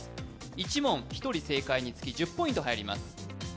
１問、１人正解につき１０ポイント入ります。